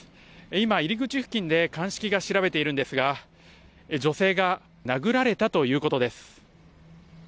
今、入り口付近で鑑識が調べているんですが、女性が殴られたということです。